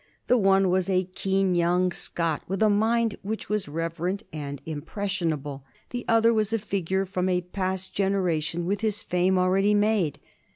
The one was a keen young Scot with a mind which was reverent and impressionable. The other was a figure from a past generation with his fame already made.